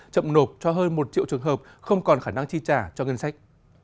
chậm nộp cho hơn một triệu trường hợp không còn khả năng chi trả cho ngân sách